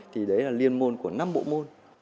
thì đấy là liên môn của năm bộ môn